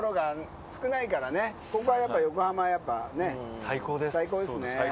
ここはやっぱ横浜は最高ですね。